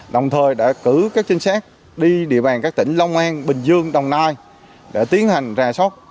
đồng thời đã cử các trinh sát đi địa bàn các tỉnh long an bình dương đồng nai để tiến hành rà sóc